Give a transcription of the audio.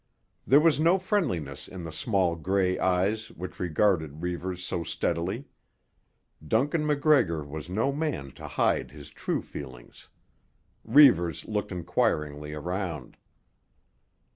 There was no friendliness in the small, grey eyes which regarded Reivers so steadily. Duncan MacGregor was no man to hide his true feelings. Reivers looked enquiringly around.